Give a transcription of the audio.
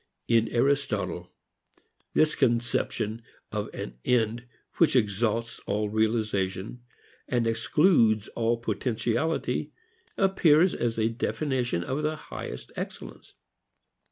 In Aristotle this conception of an end which exhausts all realization and excludes all potentiality appears as a definition of the highest excellence.